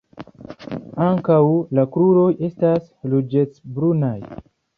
Ankaŭ la kruroj estas ruĝecbrunaj.